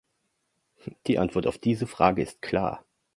Die Antwort auf diese Frage ist klar.